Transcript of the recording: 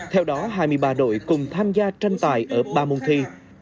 theo đó hai mươi ba đội cùng tham gia tranh tài ở ba môn thi